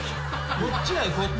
こっちだよこっち。